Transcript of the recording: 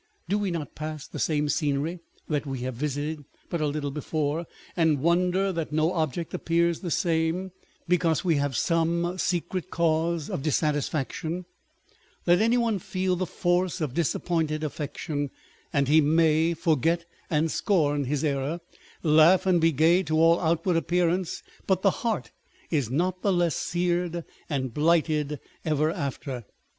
Do we not pass the same scenery that we have visited but a little before, and wonder that no object appears the same, because we have some secret cause of dissatisfaction ? Let any one feel the force of dis appointed affection, and he may. forget and scorn his error, laugh and be gay to all outward appearance, but the heart is not the less seared and blighted ever after.